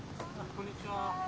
こんにちは。